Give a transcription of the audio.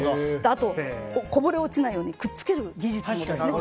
あと、こぼれ落ちないようにくっつける技術もですね。